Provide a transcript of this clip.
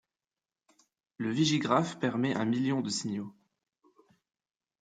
Le vigigraphe permet un million de signaux.